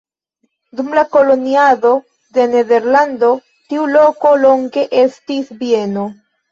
Dum la koloniado de Nederlando tiu loko longe estis bieno.